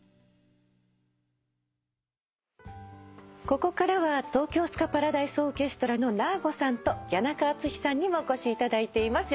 ここからは東京スカパラダイスオーケストラのＮＡＲＧＯさんと谷中敦さんにもお越しいただいています。